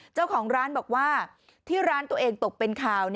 เจ้าของร้านบอกว่าที่ร้านตัวเองตกเป็นข่าว